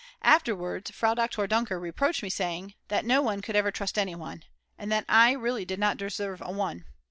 Afterwards Frau Doktor Dunker reproached me, saying that no one could ever trust anyone, and that I really did not deserve a One.